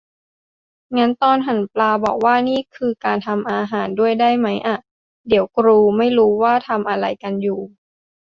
งั้นตอนหั่นปลาบอกว่า "นี่คือการทำหาอาหาร" ด้วยได้ไหมอ่ะ เดี๋ยวกรูไม่รู้ว่าทำไรกันอยู่